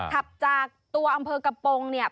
ขับจากตัวอำเภอกระโปรงเนี่ย